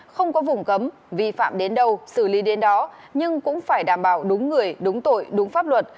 không có vùng cấm vi phạm đến đâu xử lý đến đó nhưng cũng phải đảm bảo đúng người đúng tội đúng pháp luật